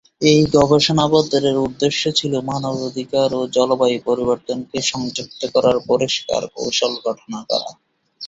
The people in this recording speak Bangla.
এই ঘোষণাপত্রের উদ্দেশ্য ছিল মানবাধিকার ও জলবায়ু পরিবর্তনকে সংযুক্ত করার পরিষ্কার কৌশল গঠন করা।